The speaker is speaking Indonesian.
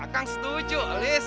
akang setuju alis ah